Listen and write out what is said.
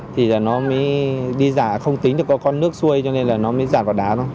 thì nó mới đi giả không tính được có con nước xuôi cho nên là nó mới giả vào đá thôi